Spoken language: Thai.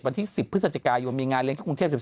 วันที่๑๐พฤศจิกายนมีงานเลี้ยที่กรุงเทพ๑๓